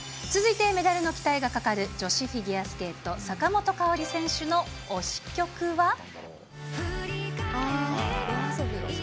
続いてメダルの期待がかかる、女子フィギュアスケート、坂本花織選手の推し曲は。